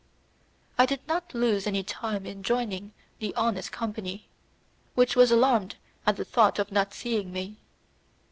I did not lose any time in joining the honest company, which was alarmed at the thought of not seeing me.